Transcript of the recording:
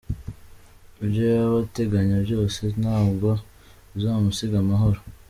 Ibyo yaba ateganya byose ntabwo bizamusiga amahoro.